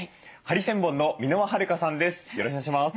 ハリセンボンの箕輪はるかさんです。